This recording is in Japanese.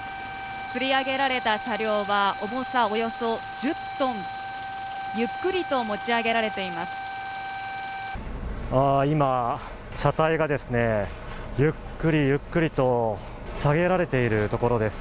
吊り上げられた車両は、重さおよそ１０ｔゆっくりと持ち上げられています。